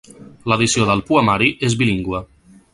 L'edició del poemari és bilingüe.